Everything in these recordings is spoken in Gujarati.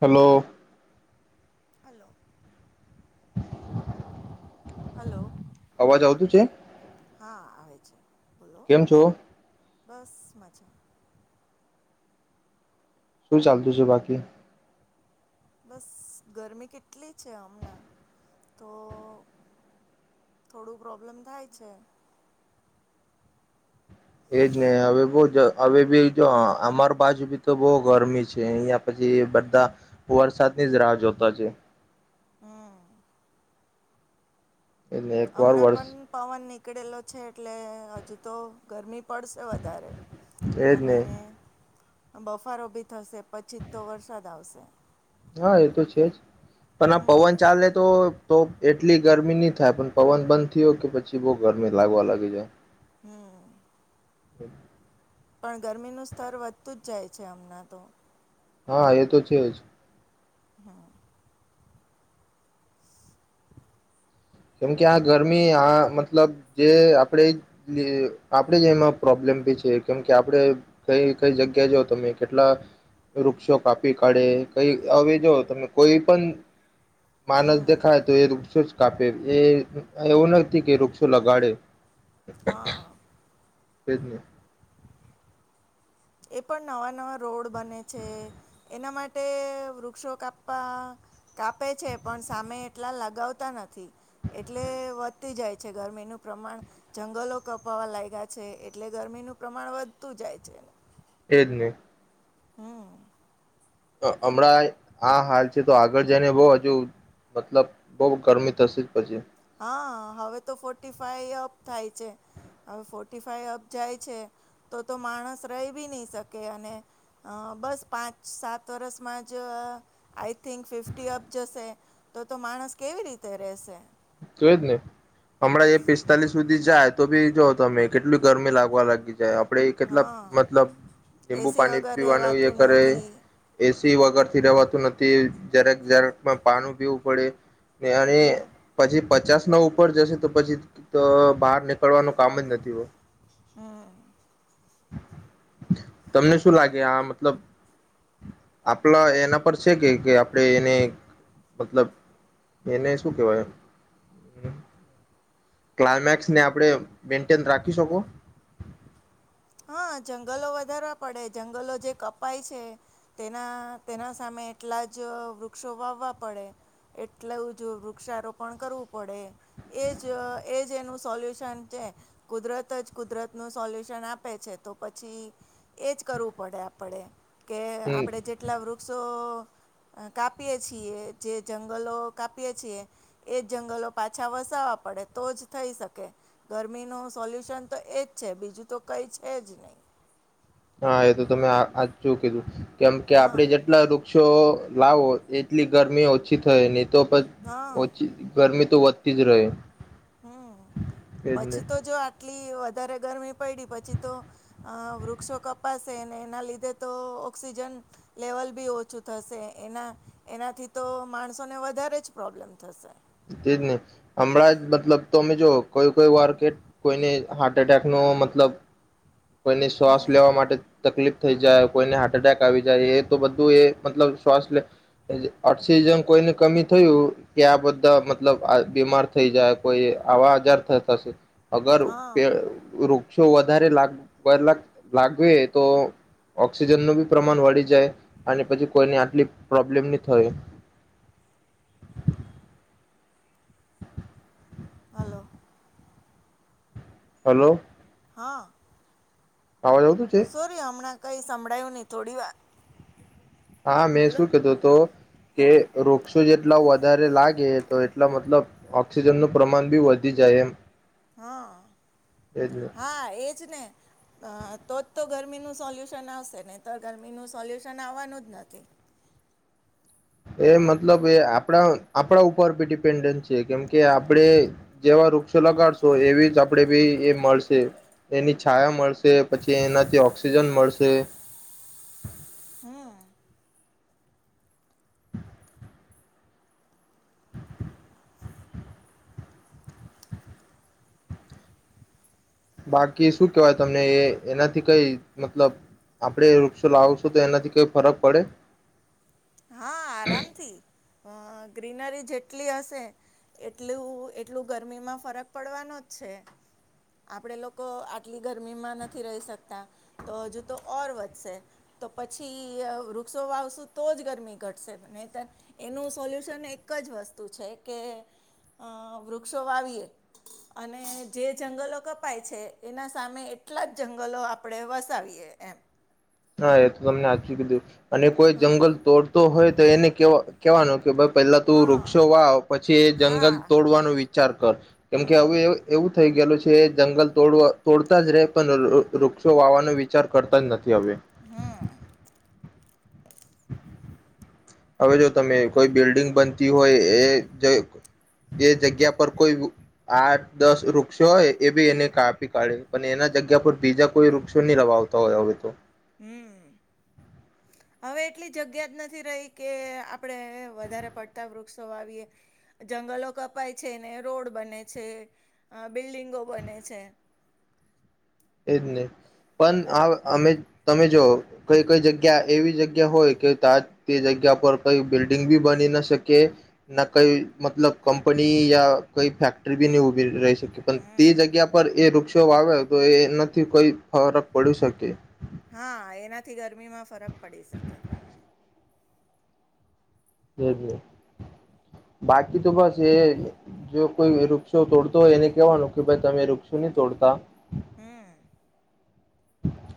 હલો હલો [inaudible] હલો અવાજ આવતું છે હા આવે છે બોલો કેમ છો બસ મને અચ્છા શું ચાલતું છે બાકી બસ ગરમી કેટલી છે હમણાં તો થોડું પ્રોબ્લેમ થાય છે. એજ ને હવે બોજ હવે બી જો અમાર બાજુ બી તો બહ ગરમી છે અહિયાં પછી બધા વરસાદની જ રાહ જોતા છે. હમ્મ. એટલે એક વાર હમણાં વરસ પણ પવનની નીકળેલો છે એટલે હજુ તો ગરમી પડશે વધારે એજ ને અને બફારો ભી થશે પછી જ તો વરસાદ આવશે. હા એ તો છે જ. પણ આ હમ પવન ચાલે તો તો એટલી ગરમી ની થાય પણ પવન બંધ થયો કે પછી બહુ ગરમી લાગવા લાગી જાય. હમ બોલો. પણ ગરમીનું સ્તર વધતું જ જાય છે હમણાં તો. હા એ તો છે જ. હા. કેમકે આ ગરમી આ મતલબ જે આપણે આપણેે જ એમાં પ્રોબ્લેમ બી છે કેમકે આપણે કઈ કઈ જગ્યા જાઓ તમે કેટલા વૃક્ષો કાપી કાઢે કઈ હવે જો તમે કોઈ પણ માનસ હમ દેખાય તો એ રુકશે જ. કાપે એ એવું નથી કે વૃક્ષો લગાડે. હા. તેજ ને. એ પણ નવા નવા રોડ બને છે એના માટે વૃક્ષો કાપવા કાપે છે પણ સામે એટલા લગાવતા નથી એટલે વધતી જાય છે ગરમીનું પ્રમાણ જંગલો કપાવા લાગ્યા છે એટલે ગરમીનું પ્રમાણ વધતું જાય છે. છે જ નહી. હમ. હમણાં આ હાલ છે તો આગળ જઈને બહ હજુ મતલબ બહ ગરમી થશે જ પછી. હા હવે તો ફોર્ટી ફાઈ અપ થાય છે. હવે ફોર્ટી ફાઈ અપ જાય છે તો તો માણસ રહી બી નહી શકે અને બસ પાંચ સાત વર્ષમાં જ આઈ થિંક ફિફ્ટી અપ જશે તો તો માણસ કેવી રીતે રહેશે તો એ જ ને હમણાં જે પિસ્તાલીસ સુધી જાય તો ભી જો તમે કેટલ ગરમી લાગવા લાગી જાય. આપણેે કેટલા હા મતલબ લીંબુ એસી પાણી વગર પીવાનું એ રહેવાતું કરે નથી એ એ વગર થી રવાતું નથી જ્યારેક જ્યારેકમાં પાનું પીવું પડે બે અને હમ પ પચાસ ના ઉપર જશે તો પછી બહાર નીકળવાનું કામ જ નથી. હમ. તમને શું લાગે આ મતલબ આપલા એના પર છે કે આપણેે એને મતલબ એને શું કેવાય? ક્લાયમેક્સને આપણે મેન્ટેન રાખી શકો? હા જંગલો વધારવા પડે જંગલો જે કપાય છે તેના તેના સામે એટલા જ વૃક્ષો વાવવા પડે એટલું જ વૃક્ષારોપણ કરવું પડે એ જ એજ એનું સોલ્યુશન છે. કુદરત જ કુદરતનું સોલ્યુશન આપે. આપે છે તો પછી એજ કરવું પડે આપડે. કે હમ આપણે જેટલા વૃક્ષો કાપીએ છીએ જે જંગલો કાપીએ છીએ એજ જંગલો પાછા વસાવવા પડે તો જ થઈ શકે. ગરમીનું સોલ્યુશન તો એજ છે. બીજું તો કંઈ છે જ નહીં. હા એ તો તમે સાચું કીધું કેમ કે હા આપડે જેટલા વૃ ક્ષો વાવો એટલી ગરમી ઓછી થાય. તો પણ, હા ઓછી ગરમી તો વધતી જ રહે હમ, તેજ ને પછી તો જો આ એટલી વધારે ગરમી પડી પછી તો વૃક્ષો કપાશે અને એના લીધે તો ઓક્સિજન લેવલ બી ઓછું થશે એના એનાથી તો માણસોને વધારે જ પ્રોબ્લેમ થશે તેજ ને હમણાં જ મતલબ તોમે જોઓ કોઈ કોઈ વાર કે કોઈને હાર્ટ એટેક નો મતલબ કોઈની શ્વાસ હમ લેવા માટે તકલીફ થ જાય કોઈને હાર્ટ એટેક આવી જાય એ તો બધું એ મતલબ શ્વા લ ઓક્સિજન કોઈને કમી થયું કે આ બધ બધ મતલબ બીમાર થઈ જાય કોઈ આવા આજાર થતાશે, અગર હા પૈઐર તો વધારે લાગ મતલબ લાગીયે તો ઓક્સિજનનું બી પ્રમાણ વળી જાય અને પછી કોઈને આટલી પ્રોબ્લેમ ની થયો હલો હલો હા આવડતું નથી કઈ સંભળાયું નહી, થોડી વાર હા મેં બોલો શુંએ તો તો હતોઊ, કે હા. વૃક્ષો જે એટલા વધારે લાગે તો એટલા મતલબ ઓક્સિજન નું પ્રમાણ બી વધી જાય એમ હા એજ ને. હા એજ ને અ તોજ તો ગરમી ગરમીનું સોલ્યુશન આવશે. નહી તો ગરમીનું સોલ્યુશન આવવાનું જ નથી. એ મતલબ એ આપણા આપણા ઉપર બી ડિપેન્ડન્ટ છે કેમ કે આપણે જેવા વૃક્ષો લગાડશો એવી જ આપણેે ભી એ મળશે, એની છાયા મળશે, પછી એનાથી ઓક્સિજન મળશે. હમ બાકી શું કેહેવાય તમને એ એનાથી કઈ મતલબ આપણેે વૃક્ષો લાવું છું તો એનાથી કઈ ફરક પડે? હા આરામથી અ ગ્રીનરી જેટલી હશે એટલું એટલું ગરમીમાં ફરક પડવાનો જ છે. આપડે લોકો આટલી ગરમીમાં નથી રહી શકતા તો હજુ તો ઓર વધશે. તો પછી વૃક્ષો વાવશું તો જ ગરમી ઘટશે. નહી તો એનું સોલ્યુશન એક જ વસ્તુ છે. કે વૃક્ષો વાવીએ અને જે જંગલો કપાય છે એના સામે એટલા જ જંગલો આપણે વસાવીએ એમ. હા એ તો તમને હાચુ કીધું. અને કોઈ હા જંગલ તોડ તોડતો હોય તો એને કેવા કેવાનું કે ભાઈ પેલા તું હા વૃક્ષો વા પછી એ જંગલ હા તોડવાનો વિચાર કર. કેમકે હવે હમ એવું થઈ ગયેલું છે એ જંગલ તોડ તોડતા જ રહે. પણ વૃક્ષો વાવાનો વિચાર કરતા જ નથી હવે. હમ્મ. હવે જો તમે કોઈ બિલ્ડિંગ બનતી હોય એ એ જગ્યા પર કોઈ આઠ દસ વૃક્ષો હોય. એ બી એને કાપી કાઢે. પણ એના જગ્યા પર બીજા કોઈ વૃક્ષો નહી લવાતા હોય હવે તો. હમ્મ હવે એટલી જગ્યા જ નથી રહી કે આપડે વધારે પડતા વૃક્ષો આવીએ. જંગલો કપાય છે, ને રોડ બને છે, અ બિલ્ડિંગો બને છે. એજ ને. પણ આ અમે તમે જો કઈ કઈ જગ્યા એવી જગ્યા હોય કે, તે જગ્યા પર કઈ બિલ્ડિંગ બી બની ન શકે, ના કઈ મતલબ કંપની યા કઈ ફેક્ટરી બી નહી ઉભી રહી શકે. પણ તે હમ જગ્યા પર એ વૃક્ષો આવે તો એ નથી કોઈ ફરક પડી શકે. હા એનાથી ગરમીમાં ફરક પડી શકે. એ જ ને બાકી તો બસ એ જો કોઈ વૃક્ષો તોડતો હોય એને કેવાનું કે ભાઈ તમે વૃક્ષો નહી તોડતા. હમ્મ.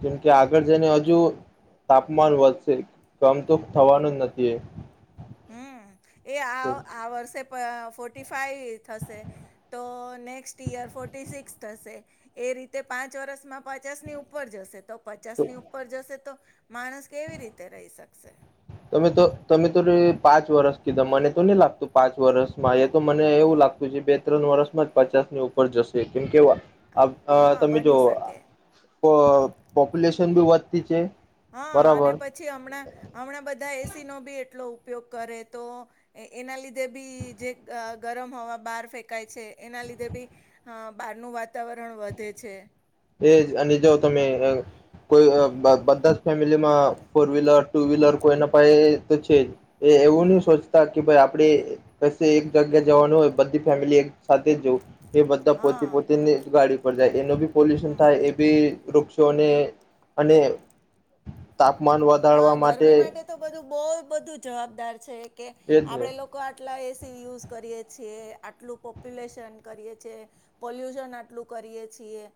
કેમ કે આગળ જઈને હજુ તાપમાન વધશે. કમ તો થવાનું જ નથી એ. પ ફોર્ટી ફાઈવ થશે. તો નેક્સ્ટ ઈયર ફોર્ટી સિક્સ થશે. એ રીતે પાંચ વર્ષમાં પચાસ ની ઉપર જશે તો પચાસ ની ઉપર જશે તો માણસ કેવી રીતે રહી શકશે તમે તો તમે તો પાંચ વરષ કીધા મને તો નહી લાગતું પાંચ વર્ષમાં તો મને એવું લાગતું છે. બે ત્રણ વર્ષમાં જ પચાસ ની ઉપર જશે કેમ કેવા આ અ હા તમે બની જોવો શકે પ‌ પોપ્યુલેશન ભી વધતી છે. હા અને બરાબર પછી હમણાં હમણાં બધા એ એસી નો ભી એટલો ઉપયોગ કરે તો એના લીધે બી જે ગરમ હવા બહાર ફેંકાય છે, એના લીધે બી બહારનું અ વાતાવરણ વધે છે. એજ અને જોઓ તમે અ કોઈ બ બધા અ જ ફેમિલીમાં ફોર વ્હીલર, ટુ વ્હીલર કોઈ ના પાય તો છે જ. એ એવું ની હમ સોચતા કે ભાઈ આપ આપણે કસે એક જગ્યા જવાનું હોય બધી ફેમિલી એક સાથે જ જોવું એ બધા પોતે હા પોતેની ગાડી પર જાય એનો ભી પલ્યુશન હમ થાય એભી વૃક્ષોને અને તાપમાન હા વધારવા માટે ગરમી તો બધું બહુ, બધું જવાબદાર છે કે, એજ ને આપડે લોકો આટલા યુઝ કરીએ છીએ, આટલું પોપ્યુલેશન કરીએ છે, પોલ્યુશન આટલું કરીએ છીએ,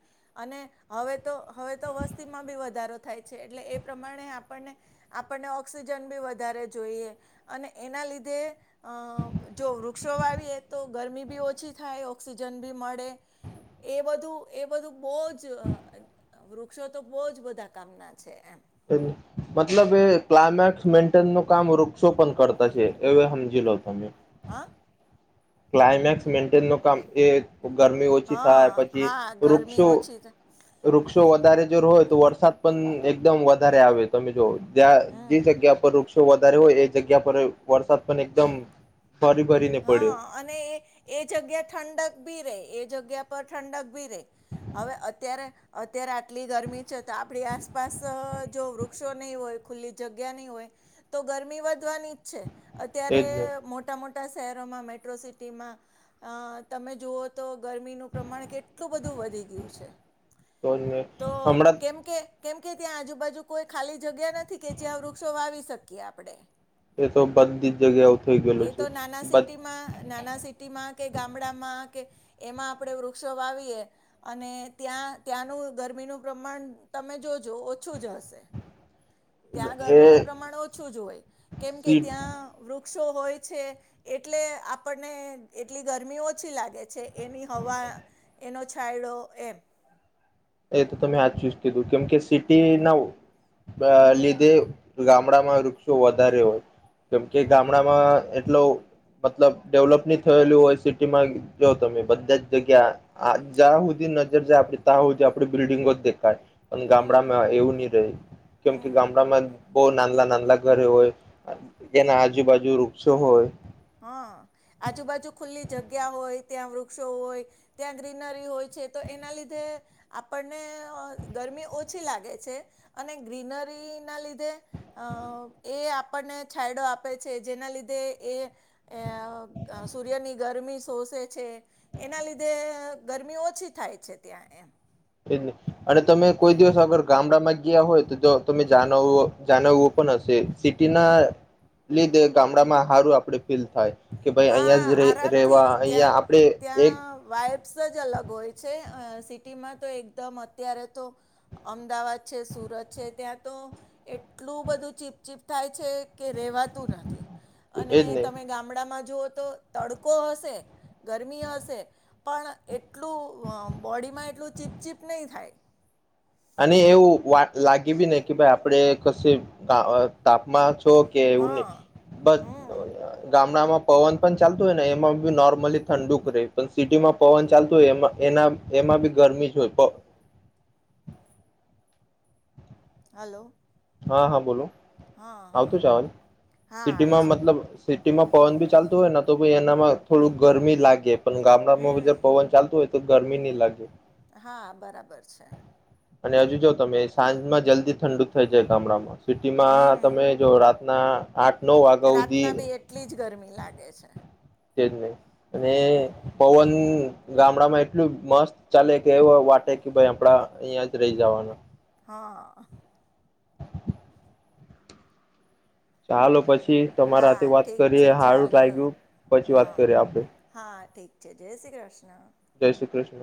અને હવે હવે તો વસ્તીમાં ભી વધારો થાય છે, એટલે એ પ્રમાણે આપ આપણને આપણને ઓક્સિજન ભી વધારે જોઈએ અને એના લીધે જો વૃક્ષો વાવીએ, તો ગરમી ભી ઓછી થાય, ઓક્સિજન બી મળે, એ બધું એ બધું બહુ જ અ વૃ વૃક્ષો તો બોજ બધા કામના છે, એમ મતલબ, એ ક્લાયમેક્સ, મેન્ટેન નું કામ વૃક્ષો પણ કરતા છે, એ સમજી લો તમે હા ક્લામેક્સ મેન્ટેન નું કામ એ ગરમી ઓછી થાય હા પછી હા ગરમી વૃક્ષો, ઓછી થ વૃક્ષ જો વધારે જોર હોય તો વરસાદ પણ એકદમ વધારે આવે તમે જો જ્યા જે હમ જગ્યા પર વૃક્ષ વધારે હોય એ જગ્યા પર વરસાદ પણ એકદમ ફરી ભરીને પડ્યો હા અને એ એ જગ્યા ઠંડક ભી રે, એ જગ્યા પર ઠંડક ભી રે, હવે અત્યારે અત્યારે આટલી ગરમી છે, તો આપણી આસપાસ જો વૃક્ષો નહી હોય, ખુલ્લી જગ્યા નહી હોય, તો ગરમી વધવાની જ છે અત્યારે, એજ ને મોટા મોટા મોટા શહેરોમાં મેટ્રો સિટીમાં અ તમે જુઓ તો ગરમીનું પ્રમાણ કેટલું બધું વધી ગયું છે, તો જ ને તો હમણાં કેમ કે કેમ કે ત્યાં આજુબાજુ કોઈ ખાલી જગ્યા નથી કે જ્યાં વૃક્ષો વાવી શકીએ આપડે. એ તો બધી જ જગ્યાઓ થઈ ગયેલું એ છે તો નાના સિટીમાં, નાના સિટીમાં કે ગામડામાં કે એમાં આપણેે વૃક્ષો વાવીએ અને ત્યાં ત્યાંનું ગરમીનું પ્રમાણ તમે જોજો ઓછું જ હશે. ત્યાં એ ગરમીનું પ્રમાણ ઓછું જ હોય કેમ કે સીટ ત્યાં વૃ ક્ષો હોય. છે એટલે આપણને એટલી ગરમી ઓછી લાગે છે એની હવા, એનો છાયડો એમ. એ તો તમે હાચુ જ કીધું, કેમ કે સિટી નવ અ હમ લીધે ગામડામાં વૃક્ષો વધારે હોય. કેમ કે હમ ગામડામાં [unintelligible] મતલબ ડેવલપ ની થયેલું હોય સિટીમાં જો તમે બધા જ જગ્યા આ જા હુધી નજર જાય આપડી ત્યાં હુધી [unintelligible] બિલ્ડિંગો જ દેખાય. પણ હમ ગામડામાં એવું નહી રે કેમ કે હમ ગામડામાં બહુ નાંદલા નાંદલા ઘરે હોય જેના આજુબાજુ વૃક્ષો હોય. હા આજુબાજુ ખુલ્લી જગ્યા હોય, ત્યાં વૃક્ષો હોય, ત્યાં ગ્રીનરી હોય છે તો એના લીધે આપણને ગરમી ઓછી લાગે છે, અને ગ્રીનરી ના લીધે અ એ આપણને છાયડો આપે છે જેના લીધે એ અ અ સૂર્યની ગરમી શોષે છે, એના લીધે ગરમી ઓછી થાય છે ત્યાં એમ. એજ ને, અને તમે કોઈ દિવસ અગર ગામડામાં ગ્યા હોય તો તો તમે જાનવુ જાણવું પણ હશે સિટી ના લીધે ગામડામાં હારું આપડે ફીલ થાય. કે ભાઈ અહિયાં હા જ રે રેવા આરામથી, અહિયાં ત્યાં આપડે એક ત્યાં વાઈપ્સ જ અલગ હોય છે. અ સિટીમાં તો એકદમ અત્યારે તો અમદાવાદ છે, સુરત છે, ત્યાં તો એટલું બધું ચીપચીપ થાય છે કે રેવા તુ નથી, અને એજ ને તમે ગામડામાં જો તો તડકો હશે, ગરમી હશે પણ એટલું બોડીમાં એટલું ચીપચીપ નહી થાય. અને એવું વા લાગે બી ની કે ભઈ આપણે કસુઇ અ તાપમા શો કે એવું હા નહી, બસ અ હમ અ ગામડામાં પવન પણ ચાલતું હોય ને એમાં બી નોર્મલી ઠંડુક રે પણ સિટીમાં પવન ચાલતું હોય એ એના એમાં બી ગરમી જ હોય પ. હલો. હા હા બોલો. હા હા આવતું છે આવાજ, હા આવે સિટીમાં છે મતલબ સિટીમાં પવન બી ચાલતું હોય ને તો બી એનામાં થોડુક ગરમી લાગે. પણ ગામડામાં હમ બધે પવન ચાલતું હોય તો ગરમી ની લાગે. હા બરાબર છે. અને હજુ જોવ તમે, સાંજમાં જલ્દી ઠંડુ થાય જે ગામડામાં સિટીમાં હમ તમે જો રાત ના. રાતના ભી એટલી જ ગરમી લાગે છે. એ જ ને અને હમ પવન ગામડામાં એટલું મસ્ત ચાલે કે એવો વાટે કે ભાઈ આપડા અહિયાં જ રહી જવાનુ હા ચાલો પછી તમારા હા વાત ઠીક કરીએ છે હારું ચાલો. લાગ્યું પછી વાત કરીએ આપડે જે જેયસી કૃષ્ણ જય શ્રી કૃષ્ણ